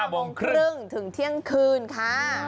โมงครึ่งถึงเที่ยงคืนค่ะ